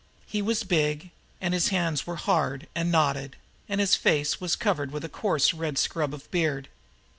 He was big, and his hands were hard and knotted, and his face was covered with a coarse red scrub of beard.